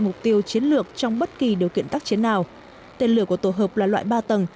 mục tiêu chiến lược trong bất kỳ điều kiện tác chiến nào tên lửa của tổ hợp là loại ba tầng